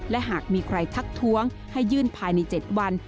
และหากมีใครทักท้วงให้ยื่นภายใน๗วัน